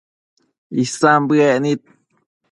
Isan bëec nid